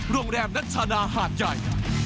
ร่วงแรมนัชธาณาหาดใหญ่